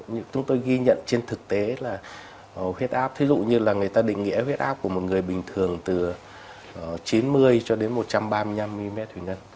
nhưng chúng tôi ghi nhận trên thực tế là huyết áp ví dụ như là người ta định nghĩa huyết áp của một người bình thường từ chín mươi cho đến một trăm ba mươi năm mm thủy ngân